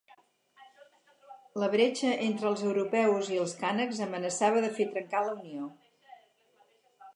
La bretxa entre els europeus i els canacs amenaçava de fer trencar la unió.